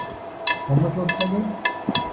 How much was it again?